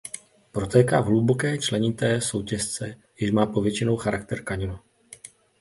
Protéká v hluboké členité soutěsce jež má povětšinou charakter kaňonu.